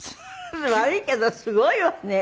悪いけどすごいわね。